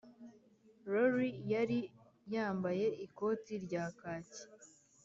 rory yari yambaye ikoti rya khaki